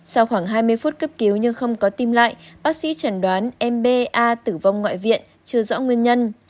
sau khoảng hai mươi phút cấp cứu nhưng không có tim lại bác sĩ chẳng đoán mba tử vong ngoại viện chưa rõ nguyên nhân